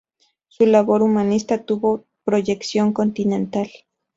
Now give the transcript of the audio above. Su labor humanista tuvo proyección continental.